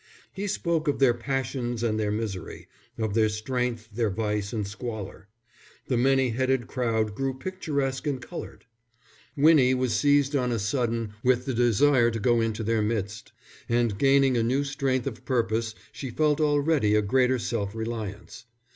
He spoke of their passions and their misery, of their strength, their vice and squalor. The many headed crowd grew picturesque and coloured. Winnie was seized on a sudden with the desire to go into their midst; and gaining a new strength of purpose, she felt already a greater self reliance.